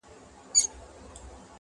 دا مناففت پرېږده کنې نو دوږخي به سي,